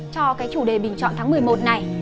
cho cái chủ đề bình chọn tháng một mươi một này